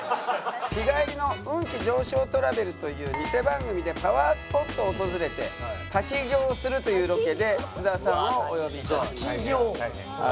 「日帰りの運気上昇トラベル」という偽番組でパワースポットを訪れて滝行をするというロケで津田さんをお呼びいたしました。